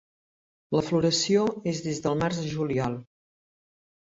La floració és des del Març a Juliol.